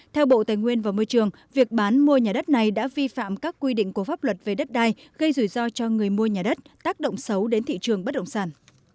theo bộ tài nguyên và môi trường việc bán mua nhà đất này đã vi phạm các quy định của pháp luật về đất đai gây rủi ro cho người mua nhà đất tác động xấu đến thị trường bất động sản